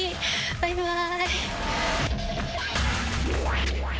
バイバイ。